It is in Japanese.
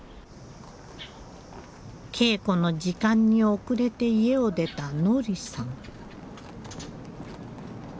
稽古の時間に遅れて家を出た乃莉さん。